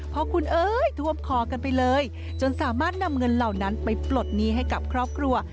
เพราะคุณเอ้ยทวบคอกันไปเลยจนสามารถนำเงินเหล่านั้นไปปลดหนี้ให้กับครอบครัว